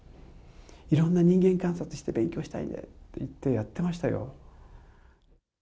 いろんな人間観察して勉強したいんだって言って、やってましたよ。